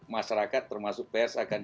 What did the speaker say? masyarakat termasuk pers akan